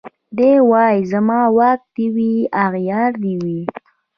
دی وايي زما واک دي وي اغيار دي وي